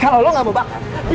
kalau lo gak mau makan